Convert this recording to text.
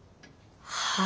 はあ？